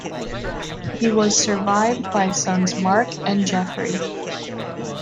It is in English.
He was survived by sons Marc and Jeffrey.